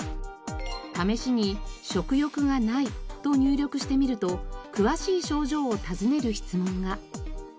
試しに「食欲がない」と入力してみると詳しい症状を尋ねる質問が。